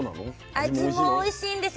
味もおいしいんですよ。